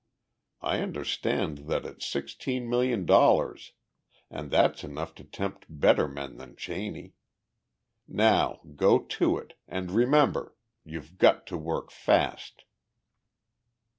I understand that it's sixteen million dollars and that's enough to tempt better men than Cheney. Now go to it, and remember you've got to work fast!"